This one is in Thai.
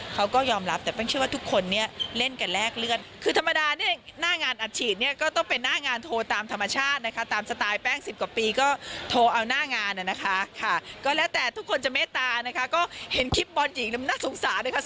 ก็แล้วแต่ทุกคนจะเมตตานะครับก็เห็นคลิปบอลหญิงมันน่าสงสารนะครับ